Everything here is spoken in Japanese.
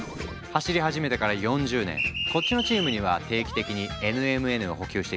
走り始めてから４０年こっちのチームには定期的にＮＭＮを補給していくよ。